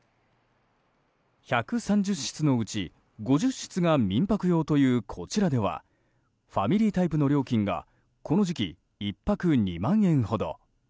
１３０室のうち５０室が民泊用というこちらではファミリータイプの料金がこの時期１泊２万円ほど。